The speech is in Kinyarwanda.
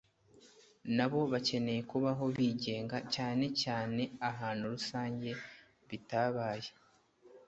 na bo bakeneye kubaho bigenga cyanecyane ahantu rusange bitabaye